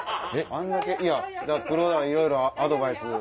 あんだけ黒田がいろいろアドバイス。